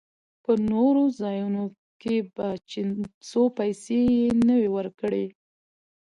په نورو ځايو کښې به چې څو پورې پيسې يې نه وې ورکړې.